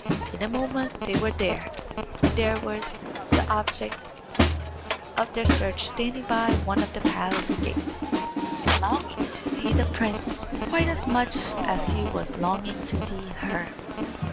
In a moment they were there, and there too was the object of their search standing by one of the palace gates, and longing to see the prince quite as much as he was longing to see her.